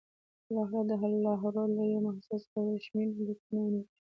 بالاخره د لاهور له یوه محصل سره ورېښمین لیکونه ونیول شول.